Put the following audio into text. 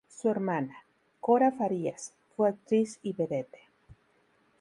Su hermana, Cora Farías, fue actriz y vedette.